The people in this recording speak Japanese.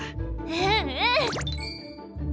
うんうん！